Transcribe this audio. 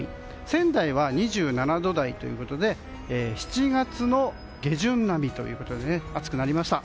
仙台は２７度台ということで７月の下旬並みということで暑くなりました。